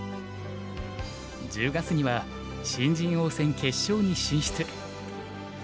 １０月には新人王戦決勝に進出。